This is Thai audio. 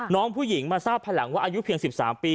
น้องผู้หญิงมาทราบภายหลังว่าอายุเพียง๑๓ปี